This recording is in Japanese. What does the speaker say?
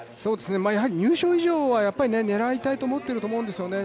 やはり入賞以上は狙いたいと思ってると思うんですよね。